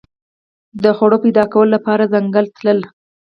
د خوړو پیدا کولو لپاره ځنګل تلل.